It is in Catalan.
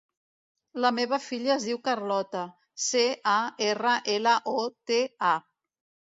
La meva filla es diu Carlota: ce, a, erra, ela, o, te, a.